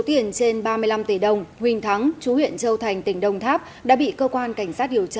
tiền trên ba mươi năm tỷ đồng huỳnh thắng chú huyện châu thành tỉnh đồng tháp đã bị cơ quan cảnh sát điều